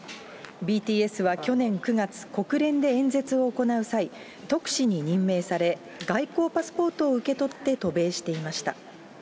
ＢＴＳは去年９月、国連で演説を行う際、特使に任命され、外交パスポートを受け取って渡米していました。